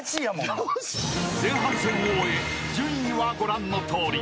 ［前半戦を終え順位はご覧のとおり］